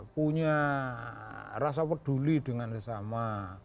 punya rasa peduli dengan sesama